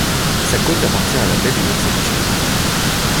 Sa côte appartient à la baie du mont Saint-Michel.